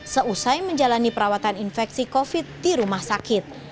seusai menjalani perawatan infeksi covid di rumah sakit